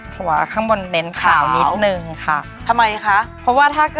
หัวข้างบนเน้นขาวนิดนึงค่ะค่ะ